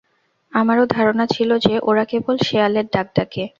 আমারও ধারণা ছিল যে, ওরা কেবল শেয়ালের ডাক ডাকে।